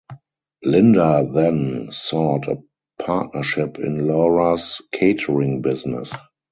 Linda then sought a partnership in Laura's catering business.